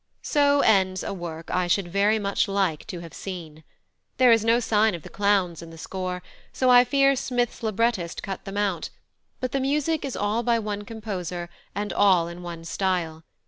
So ends a work I should very much like to have seen. There is no sign of the clowns in the score, so I fear Smith's librettist cut them out; but the music is all by one composer and all in one style.